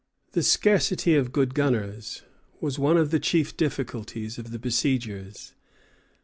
The scarcity of good gunners was one of the chief difficulties of the besiegers.